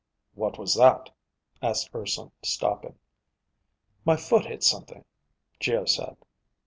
"What was that?" asked Urson, stopping. "My foot hit something," Geo said.